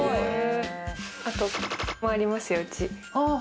あと○○もありますよ、うち。